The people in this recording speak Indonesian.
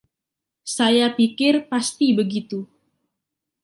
Saya pikir pasti begitu.